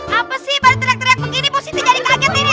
apa apa sih baru teriak teriak begini posisi jadi kaget ini